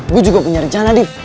gue juga punya rencana div